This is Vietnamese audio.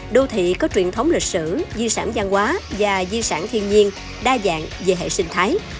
đô thị có truyền thống lịch sử di sản giang hóa và di sản thiên nhiên đa dạng về hệ sinh thái